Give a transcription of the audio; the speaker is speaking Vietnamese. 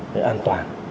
để an toàn